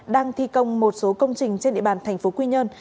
đang thi công một số công trình trên địa bàn tp quy nhơn